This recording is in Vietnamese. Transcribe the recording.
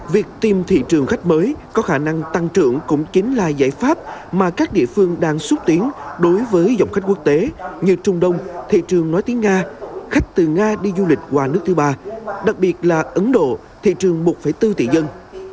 việc tìm thị trường khách mới có khả năng tăng trưởng cũng chính là giải pháp mà các địa phương đang xúc tiến đối với dòng khách quốc tế như trung đông thị trường nói tiếng nga khách từ nga đi du lịch qua nước thứ ba đặc biệt là ấn độ thị trường một bốn tỷ dân